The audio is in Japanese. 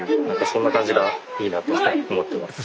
そんな感じがいいなと思ってます。